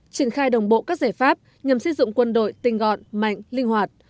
triển khai đồng bộ các giải pháp nhằm xây dựng quân đội tinh gọn mạnh linh hoạt